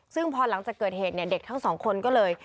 ซึ่งพอหลังจากเกิดเหตุเนี่ยเด็กทั้งสองคนก็เลย